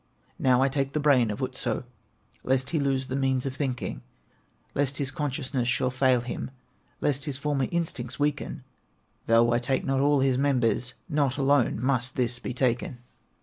"Now I take the brain of Otso, Lest he lose the means of thinking, Lest his consciousness should fail him, Lest his former instincts weaken; Though I take not all his members, Not alone must this be taken.